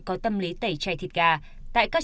có tâm lý tẩy chay thịt gà tại các